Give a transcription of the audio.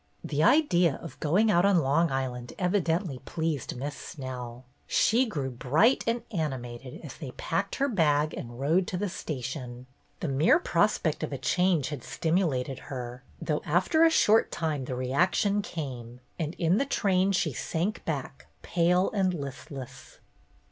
The idea of going out on Long Island evi dently pleased Miss Snell. She grew bright and animated as they packed her bag and rode to the station. The mere^ prospect of a change had stimulated her, though after a short time the reaction came, and in the train she sank back pale and listless.